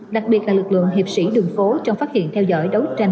đặc biệt là lực lượng hiệp sĩ đường phố trong phát hiện theo dõi đấu tranh